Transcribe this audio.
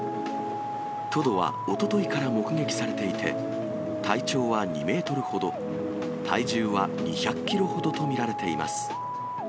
トドはおとといから目撃されていて、体長は２メートルほど、体重は２００キロほどと見られています。